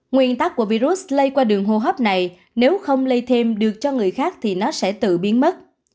nguyên tắc của virus lây qua đường hô hấp này nếu không lây thêm được cho người khác thì nó sẽ tự biến mất